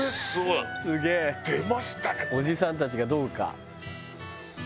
「おじさんたちがどうか」